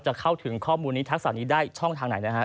เข้าถึงข้อมูลนี้ทักษะนี้ได้ช่องทางไหนนะฮะ